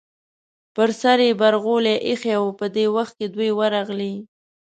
پر سر یې برغولی ایښی و، په دې وخت کې دوی ورغلې.